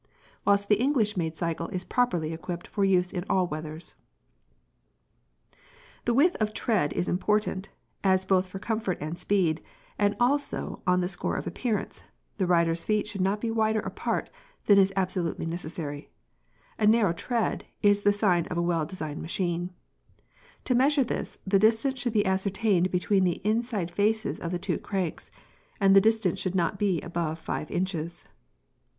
whilst the English made cycle is properly equipped for use in all weathers. The width of "tread" is important, as both for comfort and speed and also on the score of appearance, the rider's feet should not be wider apart than is absolutely necessary. A narrow "tread" is the sign of a well designed machine. To measure this, the distance should be ascertained between the inside faces of the two cranks, and this distance should not be above five inches.